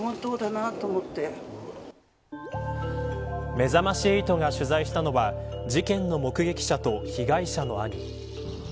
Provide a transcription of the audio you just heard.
めざまし８が取材したのは事件の目撃者と被害者の兄。